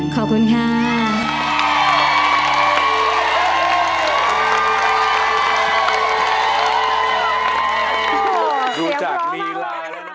ขอบคุณค่ะ